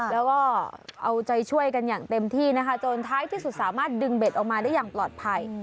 แล้วก็เอาใจช่วยกันอย่างเต็มที่นะคะจนท้ายที่สุดสามารถดึงเบ็ดออกมาได้อย่างปลอดภัย